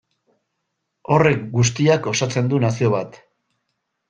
Horrek guztiak osatzen du nazio bat.